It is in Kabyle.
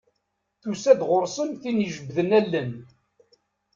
Tusa-d ɣur-sen tin ijebbden allen.